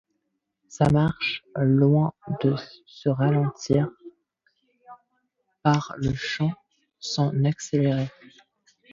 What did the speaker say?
Sa marche, loin de se ralentir par le chant, s’en accélérait.